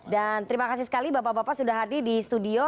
dan terima kasih sekali bapak bapak sudah hadir di studio